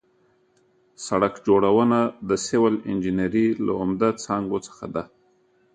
سړک جوړونه د سیول انجنیري له عمده څانګو څخه ده